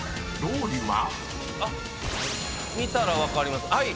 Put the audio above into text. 見たら分かります。